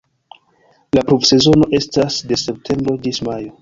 La pluvsezono estas de septembro ĝis majo.